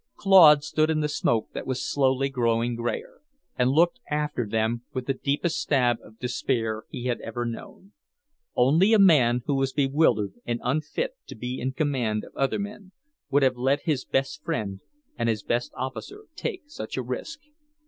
Claude stood in the smoke that was slowly growing greyer, and looked after them with the deepest stab of despair he had ever known. Only a man who was bewildered and unfit to be in command of other men would have let his best friend and his best officer take such a risk.